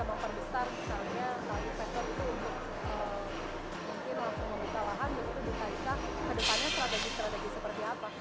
yaitu bisa bisa ke depannya strategi strategi seperti apa